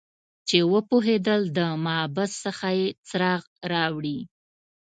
چې وپوهیدل د محبس څخه یې څراغ راوړي